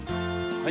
はい。